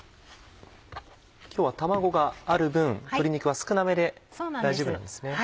今日は卵がある分鶏肉は少なめで大丈夫なんですね。